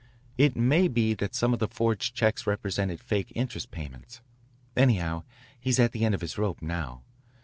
It may be that some of the forged checks represented fake interest payments. Anyhow, he's at the end of his rope now.